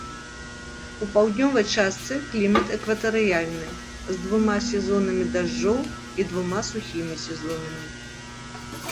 У паўднёвай частцы клімат экватарыяльны, з двума сезонамі дажджоў і двума сухімі сезонамі.